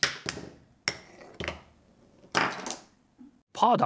パーだ！